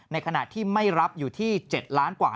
ในขณะที่ไม่รับอยู่ที่๗ล้านกว่า